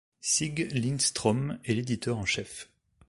Sieg Lindstrom est l'éditeur en chef.